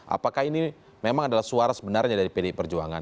apakah ini memang adalah suara sebenarnya dari pdi perjuangan